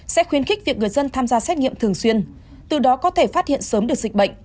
sẽ khuyến khích việc người dân tham gia xét nghiệm thường xuyên từ đó có thể phát hiện sớm được dịch bệnh